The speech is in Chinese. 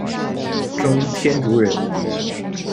中天竺人。